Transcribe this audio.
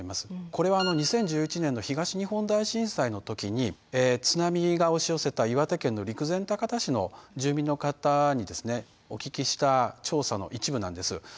これは２０１１年の東日本大震災の時に津波が押し寄せた岩手県の陸前高田市の住民の方にお聞きした調査の一部なんです。